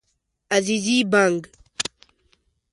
عزیزي بانګ